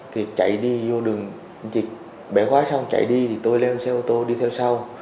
kiệt chạy đi vô đường anh kiệt bẻ khóa xong chạy đi thì tôi leo xe ô tô đi theo sau